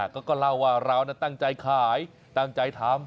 ก็เล่าว่าเราตั้งใจขายตั้งใจทำ